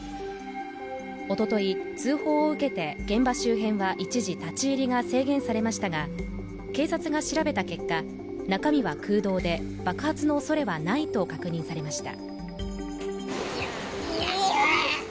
おととい通報を受けて現場周辺は一時立ち入りが制限されましたが警察が調べた結果、中身は空洞で爆発のおそれはないと確認されました。